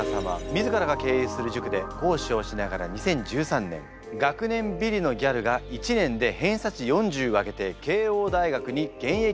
自らが経営する塾で講師をしながら２０１３年「学年ビリのギャルが１年で偏差値を４０上げて慶應大学に現役合格した話」